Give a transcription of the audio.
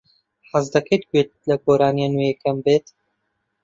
حەز دەکەیت گوێت لە گۆرانییە نوێیەکەم بێت؟